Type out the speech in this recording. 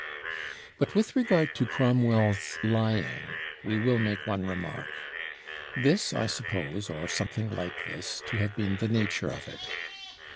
But with regard to Cromwell's "lying," we will make one remark. This, I suppose, or something like this, to have been the nature of it.